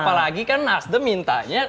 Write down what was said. apalagi kan nasdem mintanya